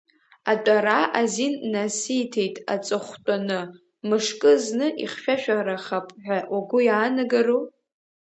Атәара азин насиҭеит аҵыхәтәаны, мышкы зны ихьшәашәарахап ҳәа угәы иаанагару?